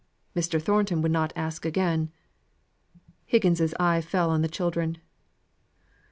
Mr. Thornton would not ask again. Higgins's eye fell on the children.